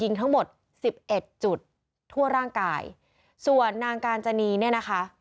ยิงทั้งหมด๑๑จุดทั่วร่างกายส่วนนางการจรีนี่นะคะ